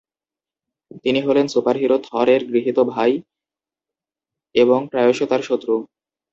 তিনি হলেন সুপারহিরো থর-এর গৃহীত ভাই এবং প্রায়শ তার শত্রু।